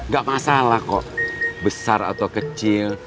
gak masalah kok besar atau kecil